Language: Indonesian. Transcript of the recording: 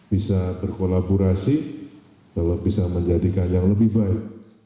bisa berkolaborasi kalau bisa menjadikan yang lebih baik